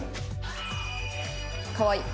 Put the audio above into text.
かわいい！